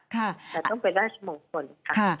แต่ต้องเป็นราชมงคลค่ะ